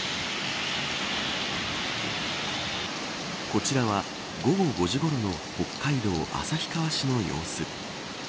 こちらは、午後５時ごろの北海道旭川市の様子。